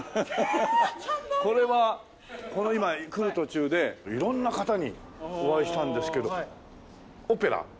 これはこの今来る途中で色んな方にお会いしたんですけどオペラ？